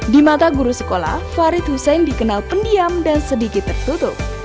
di mata guru sekolah farid hussein dikenal pendiam dan sedikit tertutup